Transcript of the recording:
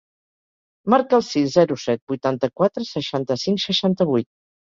Marca el sis, zero, set, vuitanta-quatre, seixanta-cinc, seixanta-vuit.